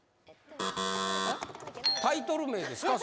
タイトル名ですか？